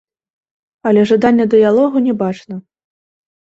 Але жадання дыялогу не бачна.